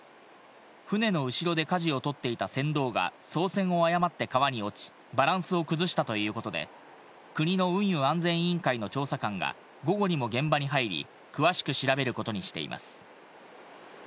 船の後ろでかじをとっていた船頭が操船を誤って川に落ち、バランスを崩したということで、国の運輸安全委員会の調査官が午後にも現場に入り、詳しく調べることにしています。